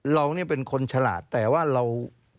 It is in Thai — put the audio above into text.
เราเนี่ยเป็นคนฉลาดแต่ว่าเรา